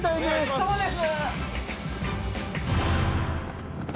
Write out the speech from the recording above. そうです！